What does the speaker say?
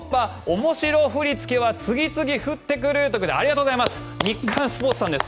面白振り付けは次々ふってくるということでありがとうございます。